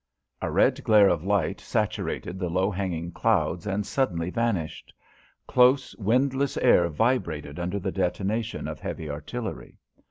A red glare of light saturated the low hanging clouds and suddenly vanished. Close, windless air vibrated under the detonation of heavy artillery.